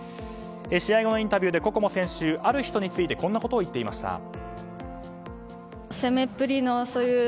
試合後のインタビューで心椛選手、ある人についてこんなことを言っていました。